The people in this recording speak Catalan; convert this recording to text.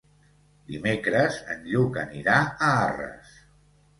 Dimecres en Lluc anirà a Arres.